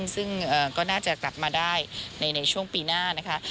ซึ่งก็น่าจะกลับมาได้ในช่วงปีหน้านะคะ